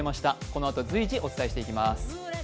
このあと随時お伝えしていきます。